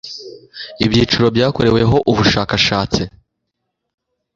ibyiciro byakoreweho ubushakashatsi